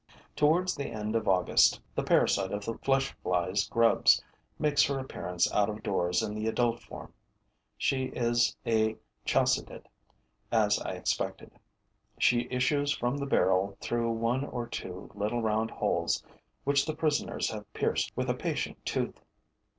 Towards the end of August, the parasite of the flesh fly's grubs makes her appearance out of doors in the adult form. She is a Chalcidid, as I expected. She issues from the barrel through one or two little round holes which the prisoners have pierced with a patient tooth.